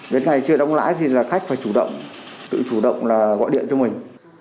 đến ngày chưa đóng lãi thì là khách phải chủ động tự chủ động là gọi điện cho mình